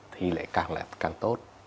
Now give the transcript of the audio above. thì lại càng là càng tốt